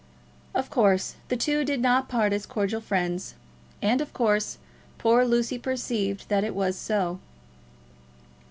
Of course, the two did not part as cordial friends, and of course poor Lucy perceived that it was so.